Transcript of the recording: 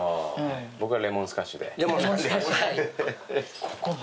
僕はレモンスカッシュで。